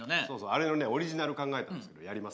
あれのねオリジナル考えたんですけどやります？